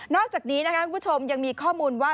อกจากนี้นะครับคุณผู้ชมยังมีข้อมูลว่า